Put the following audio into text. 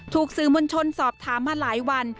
สื่อมวลชนสอบถามมาหลายวัน